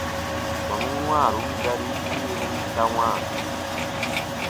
Tɔnun wãarun garin tireru ta wãa.